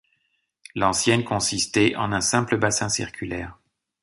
L'ancienne consistait en un simple bassin circulaire.